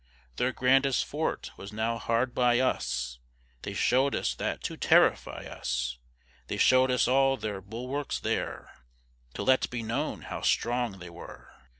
Their grandest fort was now hard by us; They show'd us that to terrify us; They show'd us all their bulwarks there, To let be known how strong they were.